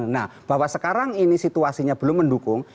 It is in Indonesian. nah bahwa sekarang ini situasinya belum mendukung